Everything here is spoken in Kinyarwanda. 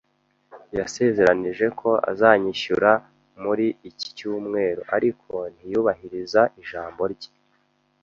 Yasezeranije ko azanyishyura muri iki cyumweru, ariko ntiyubahiriza ijambo rye.